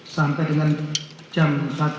sampai dengan jam satu